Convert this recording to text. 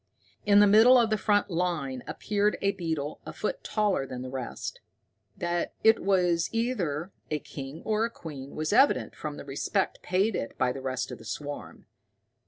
In the middle of the front line appeared a beetle a foot taller than the rest. That it was either a king or queen was evident from the respect paid it by the rest of the swarm.